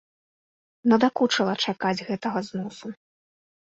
Надакучыла чакаць гэтага зносу.